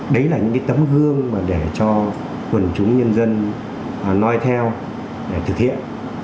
đấy là những cái tấm hương để cho quần chúng nhân dân nói theo để thực hiện